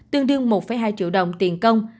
tương đương một hai triệu đồng tiền công